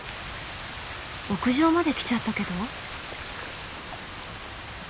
屋上まで来ちゃったけど。